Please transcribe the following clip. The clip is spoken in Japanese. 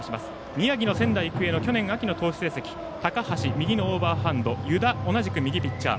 宮城の仙台育英去年秋の戦績ですが高橋、右のオーバーハンド湯田、同じく右ピッチャー。